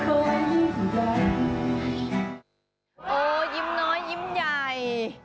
โอ้โหยิ้มน้อยยิ้มใหญ่